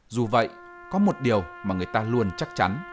dù vậy có một điều mà người ta luôn chắc chắn